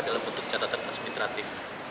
dalam bentuk catatan asmi teraktif